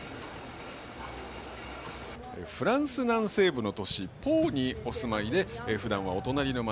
フランス南西部の都市ポーにお住まいでふだんはお隣の街